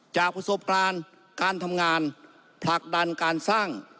จากประสบการณ์การทำงานผลักดันการสร้าง